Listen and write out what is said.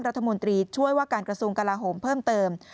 รัฐมนตรีช่วยว่าการกระทรวงกลาโหมเพิ่มเติม